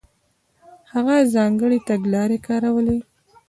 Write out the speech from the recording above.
هغه ځانګړې تګلارې کارولې.